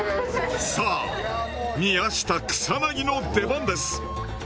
さあ宮下草薙の出番です。